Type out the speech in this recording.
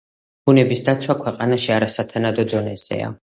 ბუნების დაცვა ქვეყანაში არასათანადო დონეზეა.